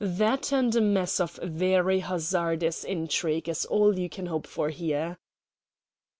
That and a mess of very hazardous intrigue is all you can hope for here."